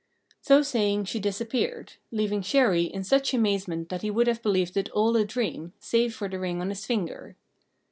So saying she disappeared, leaving Chéri in such amazement that he would have believed it all a dream, save for the ring on his finger.